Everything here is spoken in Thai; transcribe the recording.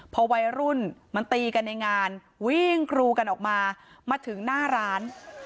พอวัยรุ่นมันตีกันในงานวิ่งกรูกันออกมามาถึงหน้าร้าน